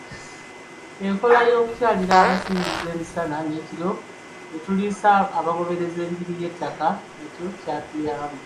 Enkola ey'okukyalira amasinzizo emisana n'ekiro ne tuliisa abagoberezi enjiri y'ettaka nakyo kyatuyamba.